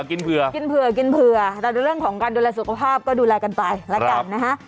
แต่ในเรื่องของการดูแลสุขภาพก็ดูแลกันไปแล้วกันนะฮะ